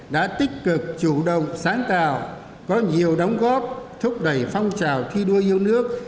đã tích cực chủ động sáng tạo có nhiều đóng góp thúc đẩy phong trào thi đua yêu nước